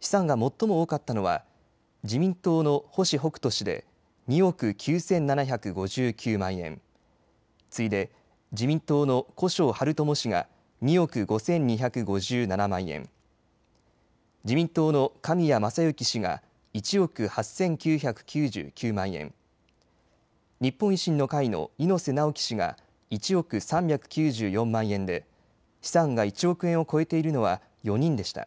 資産が最も多かったのは自民党の星北斗氏で２億９７５９万円、次いで自民党の古庄玄知氏が２億５２５７万円、自民党の神谷政幸氏が１億８９９９万円、日本維新の会の猪瀬直樹氏が１億３９４万円で資産が１億円を超えているのは４人でした。